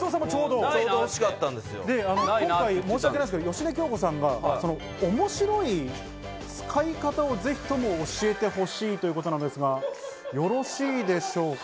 芳根京子さんが面白い使い方をぜひとも教えてほしいということなんですが、よろしいでしょうか？